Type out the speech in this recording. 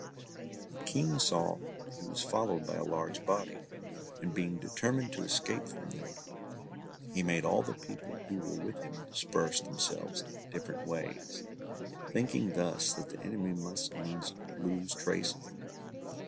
The King saw that he was followed by a large body, and being determined to escape from them, he made all the people who were with him disperse themselves different ways, thinking thus that the enemy must needs lose trace of him.